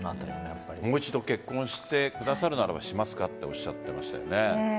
もう一度結婚してくださるならばしますかとおっしゃってましたよね。